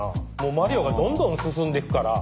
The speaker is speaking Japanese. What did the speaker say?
マリオがどんどん進んでくから。